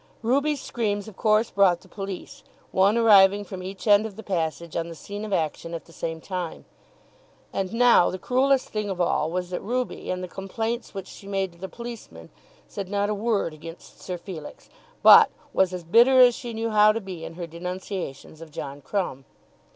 Ruby's screams of course brought the police, one arriving from each end of the passage on the scene of action at the same time. And now the cruellest thing of all was that Ruby in the complaints which she made to the policemen said not a word against Sir Felix, but was as bitter as she knew how to be in her denunciations of John Crumb.